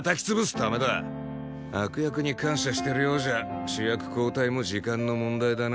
悪役に感謝してるようじゃ主役交代も時間の問題だな。